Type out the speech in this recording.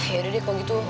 ya udah deh kalau gitu